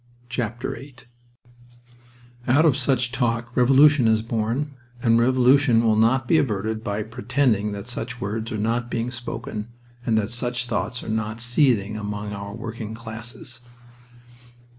VIII Out of such talk revolution is born, and revolution will not be averted by pretending that such words are not being spoken and that such thoughts are not seething among our working classes.